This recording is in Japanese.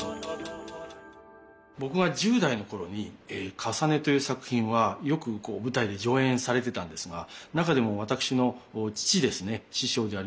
僕が１０代の頃に「かさね」という作品はよく舞台で上演されてたんですが中でも私の父ですね師匠であります